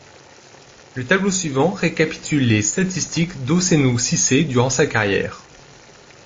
Le tableau suivant récapitule les statistiques d'Ousseynou Cissé durant sa carrière.